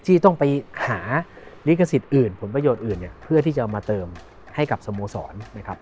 ที่ต้องไปหาลิขสิทธิ์อื่นผลประโยชน์อื่นเนี่ยเพื่อที่จะเอามาเติมให้กับสโมสรนะครับ